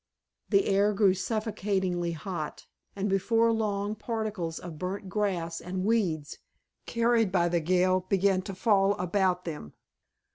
The air grew suffocatingly hot, and before long particles of burned grass and weeds, carried by the gale, began to fall about them.